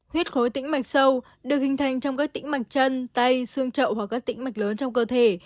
huyết khối tĩnh mạch sâu được hình thành trong các tĩnh mạch chân tay xương trậu hoặc các tĩnh mạch lớn trong cơ thể